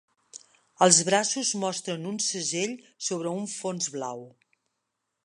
Els braços mostren un segell sobre un fons blau.